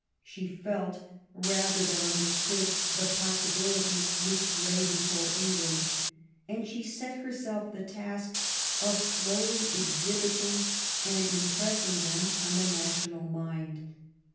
She felt, rather than understood, the possibilities which lay before England, and she set herself the task of slowly exhibiting, and impressing them on the national mind.